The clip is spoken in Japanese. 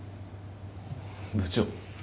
部長。